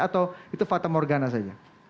atau itu fatemorgana saja